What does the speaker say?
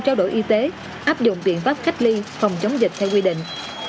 trao đổi y tế áp dụng biện pháp cách ly phòng chống dịch theo quy định